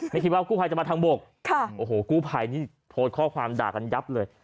ไม่คิดว่ากู้ภัยจะมาทางบกโอ้โหกู้ภัยนี่โพสต์ข้อความด่ากันยับเลย